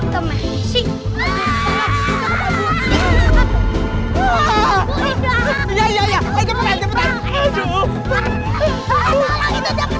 dia juga bisa digongkakuum